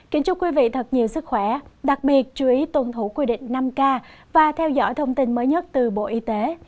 kính chúc quý vị thật nhiều sức khỏe đặc biệt chú ý tuân thủ quy định năm k và theo dõi thông tin mới nhất từ bộ y tế